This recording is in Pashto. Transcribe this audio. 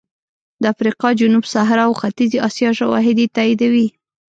د افریقا جنوب صحرا او ختیځې اسیا شواهد یې تاییدوي